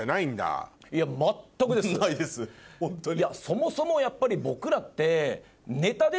そもそもやっぱり僕らって。